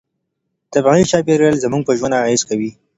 طبيعي چاپيريال زموږ په ژوند اغېز کوي.